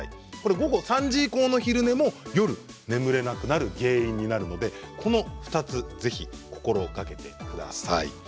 午後３時以降の昼寝も夜眠れなくなる原因になるのでこの２つぜひ心がけてください。